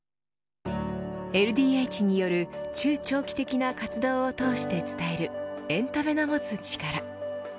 ＬＤＨによる中長期的な活動を通して伝えるエンタメの持つ力。